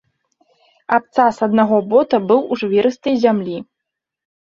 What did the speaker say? Абцас аднаго бота быў у жвірыстай зямлі.